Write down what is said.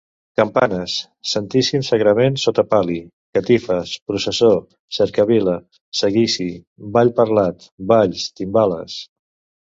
Campanes, Santíssim Sagrament sota pal·li, catifes, processó, cercavila, seguici, ball parlat, balls, timbales.